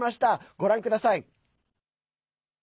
ご覧ください。